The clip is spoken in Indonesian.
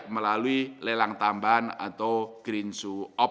melalui lelang tambahan atau green zoo option